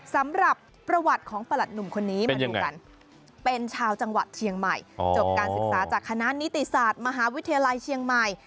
สำหรับประวัติของประหลัดหนุ่มคนนี้มาดูกันเป็นชาวจังหวัดเชียงใหม่จบการศึกษาจากคณะนิติศาสตร์มหาวิทยาลัยเชียงใหม่